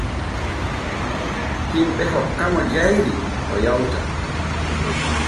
Himɓe hokkamo jayri o yawta.